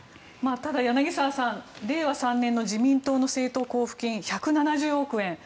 ただ、柳澤さん令和３年の自民党の政党交付金１７０億円。